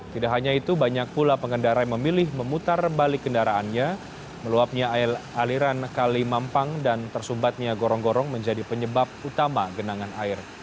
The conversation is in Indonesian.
tidak hanya itu banyak pula pengendara yang memilih memutar balik kendaraannya meluapnya aliran kali mampang dan tersumbatnya gorong gorong menjadi penyebab utama genangan air